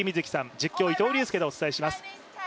実況、伊藤隆佑でお届けします。